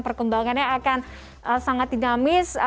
perkembangannya akan sangat dinamis